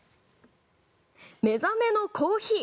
目覚めのコーヒー。